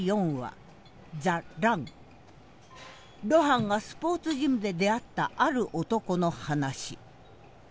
露伴がスポーツジムで出会ったある男の話。